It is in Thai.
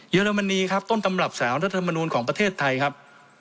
อรมนีครับต้นตำรับสารรัฐมนูลของประเทศไทยครับ